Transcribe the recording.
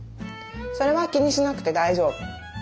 それは気にしなくて大丈夫。